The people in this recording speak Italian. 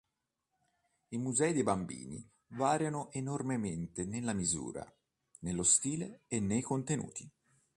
I musei dei bambini variano enormemente nella misura, nello stile e nei contenuti.